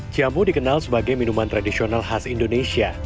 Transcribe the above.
jamu dikenal sebagai minuman tradisional khas indonesia